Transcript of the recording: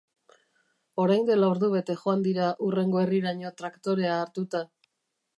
Orain dela ordubete joan dira hurrengo herriraino traktorea hartuta.